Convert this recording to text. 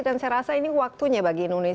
dan saya rasa ini waktunya bagi indonesia